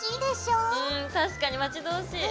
うん確かに待ち遠しい。